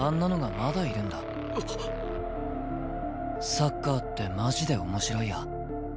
サッカーってマジで面白いや。